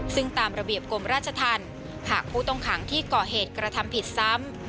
ซึ่งตามระเบียบกรมราชธรรมหากผู้ต้องขังที่ก่อเหตุกระทำผิดซ้ำ